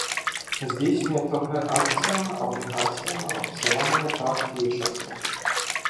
Здійснює торги акціями, облігаціями, опціонами та ф'ючерсами.